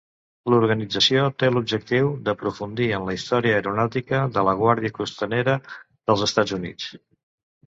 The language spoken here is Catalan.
L'organització té l'objectiu d'aprofundir en la història aeronàutica de la guàrdia costanera dels Estats Units.